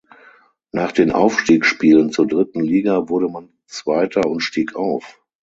Nach den Aufstiegsspielen zur dritten Liga wurde man zweiter und stieg auf.